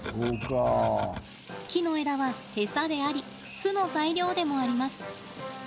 木の枝は餌であり巣の材料でもあります。